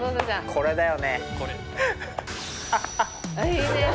これだよ！